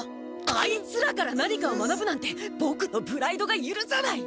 あいつらから何かを学ぶなんてボクのプライドがゆるさない！